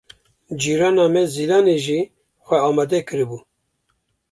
Cîrana me Zîlanê jî xwe amade kiribû.